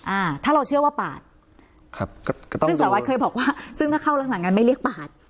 อ่าถ้าเราเชื่อว่าปาดครับซึ่งสวัสดิ์เคยบอกว่าซึ่งถ้าเข้าหลังหลังงานไม่เรียกปาด